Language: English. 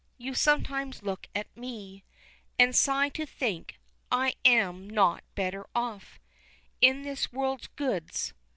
You sometimes look at me And sigh to think I am not better off In this world's goods.